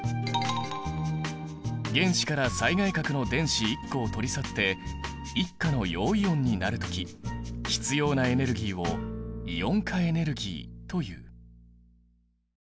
原子から最外殻の電子１個を取り去って１価の陽イオンになる時必要なエネルギーをイオン化エネルギーという。